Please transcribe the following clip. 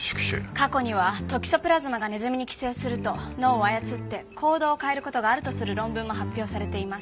過去にはトキソプラズマがネズミに寄生すると脳を操って行動を変える事があるとする論文も発表されています。